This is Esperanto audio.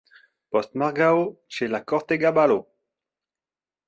Postmorgaŭ, ĉe la kortega balo!